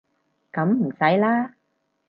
噉唔使啦